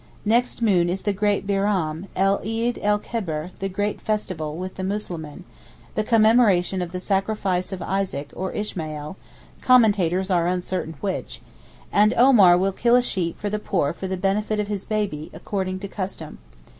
Next moon is the great Bairam, el Eed el Kebeer (the great festival), with the Muslimeen—the commemoration of the sacrifice of Isaac or Ishmael (commentators are uncertain which)—and Omar will kill a sheep for the poor for the benefit of his baby, according to custom.